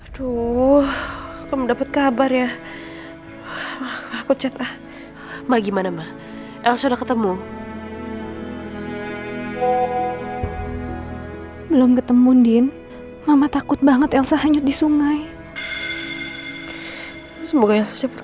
sampai jumpa di video selanjutnya